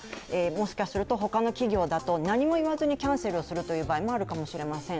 もしかすると、他の企業だと何も言わずにキャンセルすることもあるかもしれません。